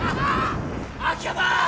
秋山！